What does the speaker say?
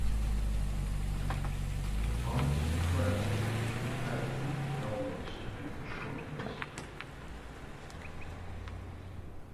Arts and Crafts have had eight albums make the short list.